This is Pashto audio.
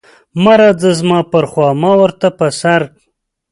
مه راځه زما پر خوا ما ورته په سر.